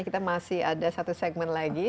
kita masih ada satu segmen lagi